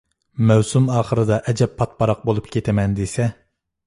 مەۋسۇم ئاخىرىدا ئەجەب پاتىپاراق بولۇپ كېتىمەن دېسە.